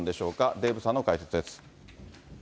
デーブさんの解説です。